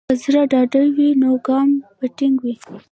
که زړه ډاډه وي، نو ګام به ټینګ وي.